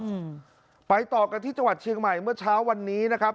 อืมไปต่อกันที่จังหวัดเชียงใหม่เมื่อเช้าวันนี้นะครับ